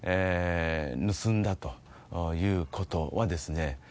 盗んだということはですね